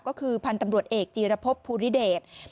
ก็คือพันธุ์ตำรวจเอกจีรพบภูริเดช